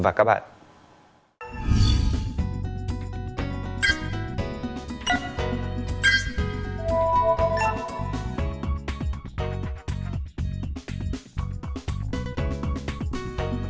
hẹn gặp lại các bạn trong những video tiếp theo